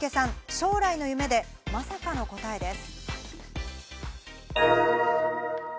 将来の夢でまさかの答えです。